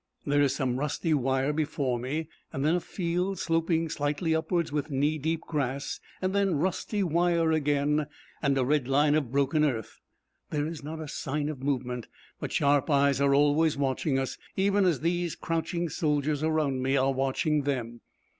There is some rusty wire before me, then a field sloping slightly upwards with knee deep grass, then rusty wire again, and a red line of broken earth. There is not a sign of movement, but sharp eyes are always watching us, even as these crouching soldiers around me are watching them.